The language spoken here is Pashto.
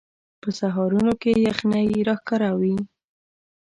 په سهارونو کې یخنۍ راښکاره وي